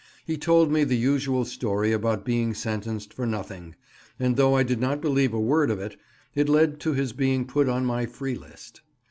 He told me the usual story about being sentenced for nothing; and though I did not believe a word of it, it led to his being put on my free list.